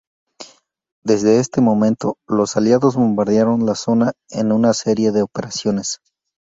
Desde este momento, los aliados bombardearon la zona en una serie de operaciones.